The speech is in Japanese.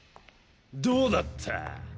どうだった？